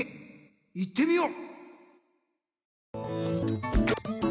いってみよう！